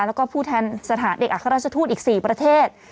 แล้วก็ผู้แทนสถานเอกอัครราชทูตอีก๔ประเทศ